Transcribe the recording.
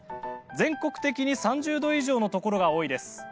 全国的に３０度以上のところが多いです。